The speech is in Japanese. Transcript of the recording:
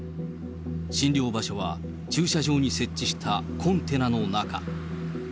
診療場所は駐車場に設置したコンテナの中。